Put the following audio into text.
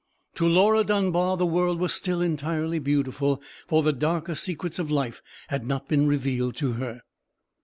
To Laura Dunbar the world was still entirely beautiful, for the darker secrets of life had not been revealed to her.